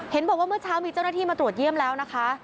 บอกว่าเมื่อเช้ามีเจ้าหน้าที่มาตรวจเยี่ยมแล้วนะคะ